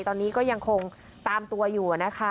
ตอนนี้ก็ยังคงตามตัวอยู่นะคะ